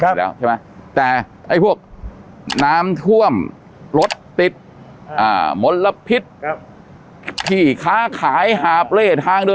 อยู่แล้วใช่ไหมแต่ไอ้พวกน้ำท่วมรถติดมลพิษที่ค้าขายหาบเล่ทางเดิน